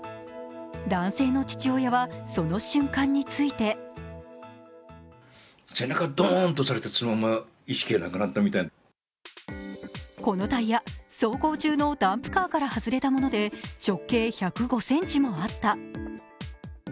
男性の父親はその瞬間についてこのタイヤ、走行中のダンプカーから外れたもので直径１０５ｃｍもあった。